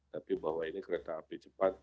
tapi bahwa ini kereta api cepat